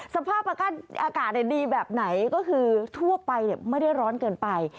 สภาพอากาศดีแบบไหนก็คือทั่วไปไม่ได้ร้อนเกินไป